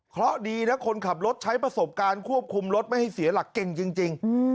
เพราะดีนะคนขับรถใช้ประสบการณ์ควบคุมรถไม่ให้เสียหลักเก่งจริง